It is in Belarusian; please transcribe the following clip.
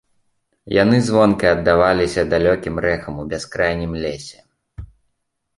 Яны звонка аддаваліся далёкім рэхам у бяскрайнім лесе.